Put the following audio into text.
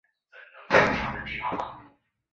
警视厅刑事部搜查第一课搜查官。